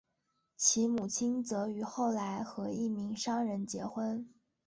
其母亲则于后来和一名商人结婚。